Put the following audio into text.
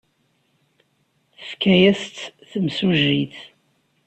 Tefka-as-tt temsujjit.